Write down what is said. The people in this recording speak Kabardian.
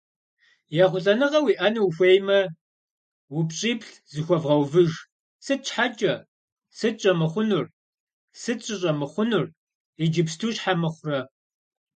Ехъулӏэныгъэ уиӏэну ухуеймэ, упщӏиплӏ зыхуэвгъэувыж: Сыт Щхьэкӏэ? Сыт щӏэмыхъунур? Сыт сыщӏэмыхъунур? Иджыпсту щхьэ мыхъурэ?